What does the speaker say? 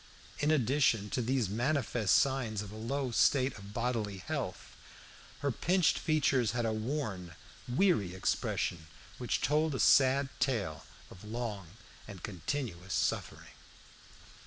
In addition to these manifest signs of a low state of bodily health, her pinched features had a worn, weary expression which told a sad tale of long and continuous suffering.